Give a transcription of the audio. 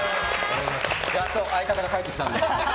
やっと相方が帰ってきたので。